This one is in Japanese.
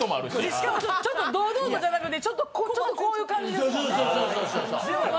しかもちょっと堂々とじゃなくてちょっとこういう感じですもんね。